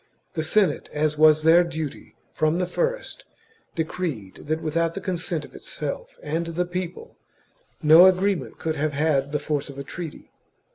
The Senate, as was their duty from the first, decreed that without the consent of itself and the people no agreement could have had the force of a treaty.